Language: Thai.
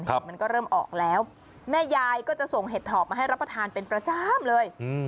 มันก็เริ่มออกแล้วแม่ยายก็จะส่งเห็ดถอบมาให้รับประทานเป็นประจำเลย